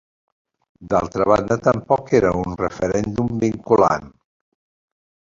D'altra banda, tampoc era un referèndum vinculant.